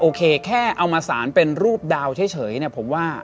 โอเคแค่เอามาสารเป็นรูปดาวเฉยเนี่ยผมว่า